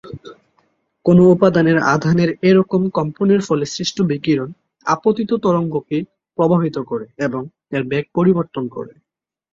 কোনো উপাদানের আধানের এরকম কম্পনের ফলে সৃষ্ট বিকিরণ আপতিত তরঙ্গকে প্রভাবিত করে এবং এর বেগ পরিবর্তন করে।